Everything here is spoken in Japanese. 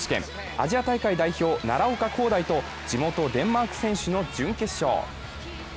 アジア大会代表・奈良岡功大と地元デンマーク選手の準決勝。